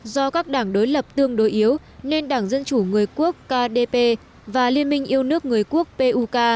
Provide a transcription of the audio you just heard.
do các đảng đối lập tương đối yếu nên đảng dân chủ người quốc kdp và liên minh yêu nước người quốc puk